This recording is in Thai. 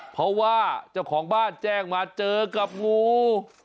เพราะว่าเจ้าของบ้านแจ้งมาเจอกับงู